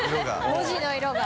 文字の色が。